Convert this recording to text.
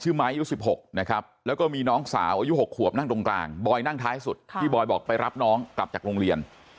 ไม้อายุ๑๖นะครับแล้วก็มีน้องสาวอายุ๖ขวบนั่งตรงกลางบอยนั่งท้ายสุดที่บอยบอกไปรับน้องกลับจากโรงเรียน